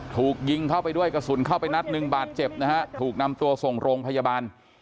ถูกยิงเข้าไปด้วยกระสุนเข้าไปนัดหนึ่งบาดเจ็บนะฮะถูกนำตัวส่งโรงพยาบาล